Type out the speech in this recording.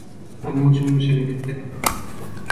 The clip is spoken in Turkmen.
Gumuň jümmüşine gitdik.